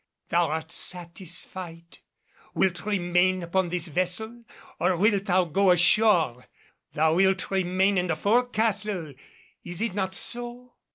"Thou art satisfied? Wilt remain upon this vessel? Or wilt thou go ashore? Thou wilt remain in the fore castle, is it not so?